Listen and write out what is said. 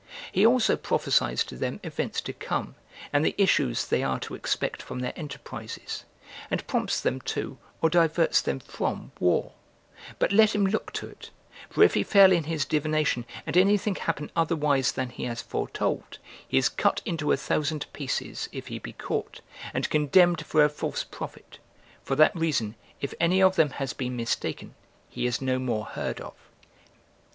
He also prophesies to them events to come, and the issues they are to expect from their enterprises, and prompts them to or diverts them from war: but let him look to't; for if he fail in his divination, and anything happen otherwise than he has foretold, he is cut into a thousand pieces, if he be caught, and condemned for a false prophet: for that reason, if any of them has been mistaken, he is no more heard of.